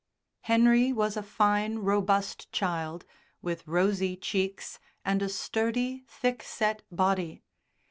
Henry was a fine, robust child, with rosy cheeks and a sturdy, thick set body.